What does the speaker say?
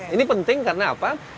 ini penting karena apa